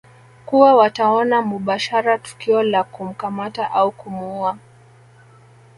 kuwa wataona mubashara tukio la kumkamata au kumuua